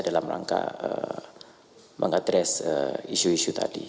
dalam rangka mengadres isu isu tadi